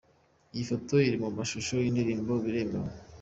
Iyi foto iri mu mashusho y’indirimbo ’Biremewe’.